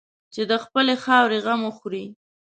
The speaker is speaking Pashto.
چې د خپلې خاورې غم وخوري.